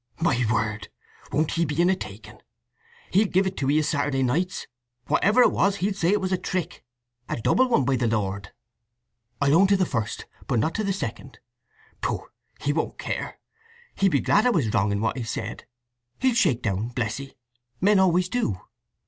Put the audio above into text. "My word—won't he be in a taking! He'll give it to 'ee o' Saturday nights! Whatever it was, he'll say it was a trick—a double one, by the Lord!" "I'll own to the first, but not to the second… Pooh—he won't care! He'll be glad I was wrong in what I said. He'll shake down, bless 'ee—men always do.